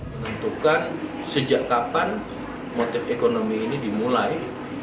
menentukan sejak kapan motif ekonomi ini dimulai